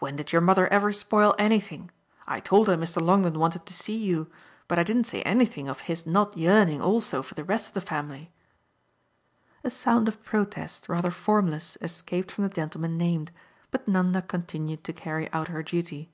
"When did your mother ever spoil anything? I told her Mr. Longdon wanted to see you, but I didn't say anything of his not yearning also for the rest of the family." A sound of protest rather formless escaped from the gentleman named, but Nanda continued to carry out her duty.